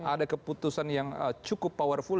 ada keputusan yang cukup powerful